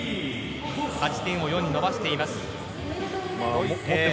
勝ち点を４に伸ばしています。